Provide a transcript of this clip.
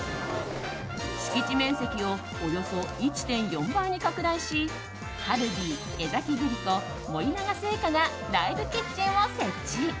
敷地面積をおよそ１．４倍に拡大しカルビー、江崎グリコ森永製菓がライブキッチンを設置。